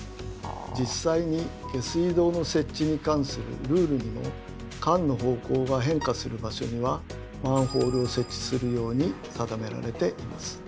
実際に下水道の設置に関するルールにも管の方向が変化する場所にはマンホールを設置するように定められています。